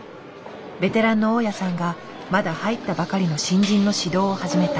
ベテランの大矢さんがまだ入ったばかりの新人の指導を始めた。